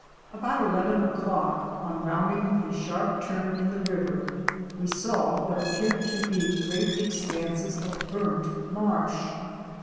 About eleven o'clock, on rounding a sharp turn in the river, we saw what appeared to be great expanses of burnt marsh.